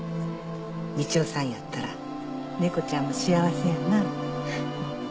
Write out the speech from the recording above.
道夫さんやったら猫ちゃんも幸せやな